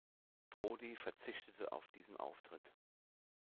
Prodi verzichtete auf diesen Auftritt.